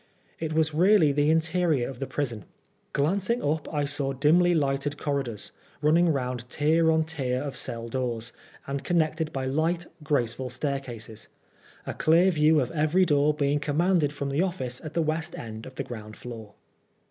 It was really the interior of the prison. Glancing up, I saw dimly lighted corridors, 'Unning round tier on tier of cell doors, and connected NEWGATE. 85 by light, graceful staircases ; a clear view of every door being commanded from the office at the west end of the ground floor.